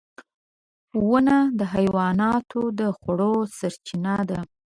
• ونه د حیواناتو د خوړو سرچینه ده.